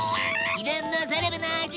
秘伝のセレブの味！